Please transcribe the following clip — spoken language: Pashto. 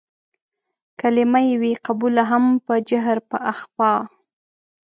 کلمه يې وي قبوله هم په جهر په اخفا